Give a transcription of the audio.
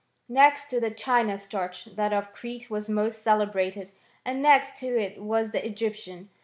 Next to the ChiaQ starch that of Crete was most celebrated ; uid next to it was the Egyptian.